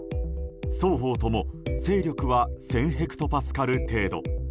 双方とも、勢力は１０００ヘクトパスカル程度。